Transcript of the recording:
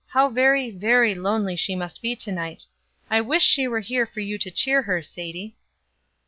how very, very lonely she must be to night. I wish she were here for you to cheer her, Sadie."